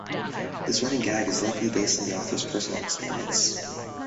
This running gag is likely based on the author's personal experience.